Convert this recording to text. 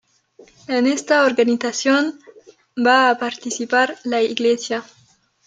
En esta organización va a participar la Iglesia.